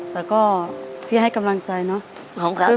แต่ก็พี่ให้กำลังใจเนาะขอบคุณครับ